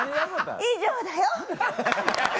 以上だよ。